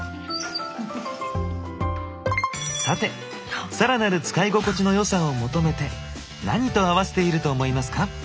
さて更なる使い心地のよさを求めて何と合わせていると思いますか？